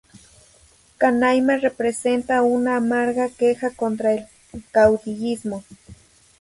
Canaima representa una amarga queja contra el caudillismo.